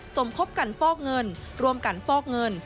สมคบกันฟอกเงินร่วมกันฟอกเงิน